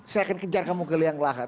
saya akan kejar kamu keliam lahan